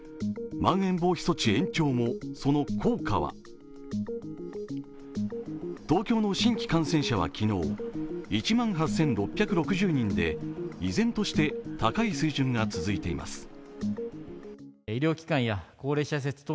まん延防止措置延長も、その効果は東京の新規感染者は昨日１万８６６０人で依然として高い水準が続いています。